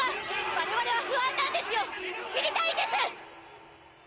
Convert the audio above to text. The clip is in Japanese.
我々は不安なんですよ知りたいんです！